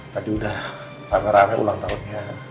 tadi udah rame rame ulang tahunnya